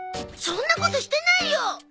そんなことしてないよ！